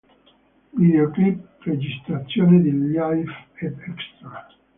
Videoclip, registrazioni di live ed extra.